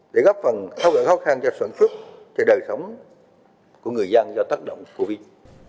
để góp phần khó khăn cho sản xuất đời sống của người dân do tác động covid